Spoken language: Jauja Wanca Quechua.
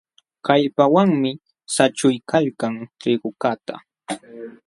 Kallpawanmi saćhuykalkan trigukaqta.